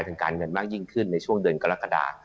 ทางการเงินมากยิ่งขึ้นในช่วงเดือนกรกฎา